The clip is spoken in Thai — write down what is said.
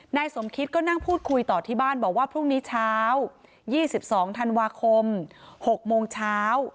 นายสมคิตก็นั่งพูดคุยต่อที่บ้านบอกว่าพรุ่งนี้เช้า๒๒ธันวาคม๖โมงเช้า